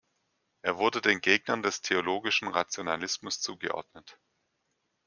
Er wurde den Gegnern des "Theologischen Rationalismus" zugeordnet.